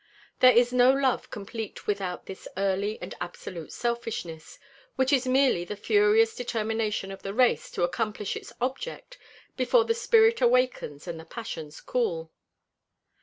There is no love complete without this early and absolute selfishness, which is merely the furious determination of the race to accomplish its object before the spirit awakens and the passions cool.